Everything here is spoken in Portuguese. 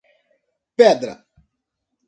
Pedra